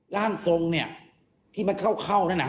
ร่างทรงเนี่ยที่เข้าเนี่ยนะฮะ